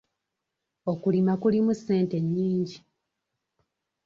Okulima kulimu ssente nnyingi.